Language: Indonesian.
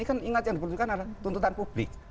ini kan ingat yang dibutuhkan adalah tuntutan publik